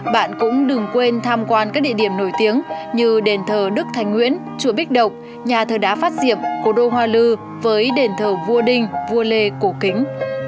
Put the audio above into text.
bạn cũng đừng quên tham quan các địa điểm nổi tiếng như đền thờ đức thánh nguyễn chùa bích độc nhà thờ đá phát diệm cổ đô hoa lư với đền thờ vua đinh vua lê cổ kính